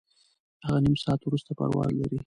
هغه نیم ساعت وروسته پرواز لري.